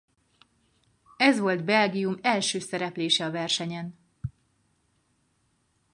Ez volt Belgium első szereplése a versenyen.